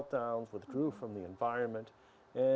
tapi bisa berjalan ke sisi lain juga